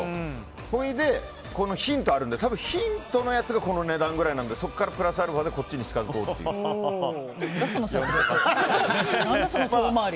それで、ヒントがあるのでヒントのやつがこの値段ぐらいなのでそこからプラスアルファで何だ、その遠回り。